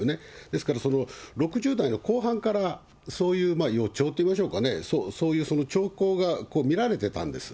ですから、６０代の後半からそういう予兆といいましょうかね、そういう兆候が見られてたんです。